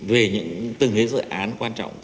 về những từng dự án quan trọng